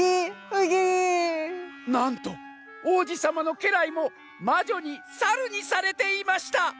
「なんとおうじさまのけらいもまじょにサルにされていました」。